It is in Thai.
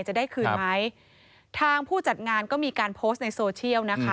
จะได้คืนไหมทางผู้จัดงานก็มีการโพสต์ในโซเชียลนะคะ